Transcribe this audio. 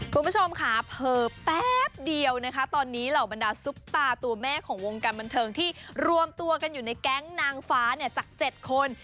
คุณผู้ชมค่ะเผลอแป๊บเดียวนะคะตอนนี้เหล่าบรรดาซุปตาตัวแม่ของวงการบันเทิงที่รวมตัวกันอยู่ในแก๊งนางฟ้าเนี่ยจาก๗คน